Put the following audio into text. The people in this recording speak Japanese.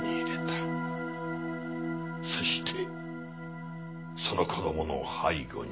そしてその子供の背後に。